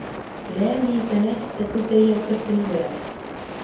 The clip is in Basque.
Lehen bi izenek ez dute ia aurkezpenik behar.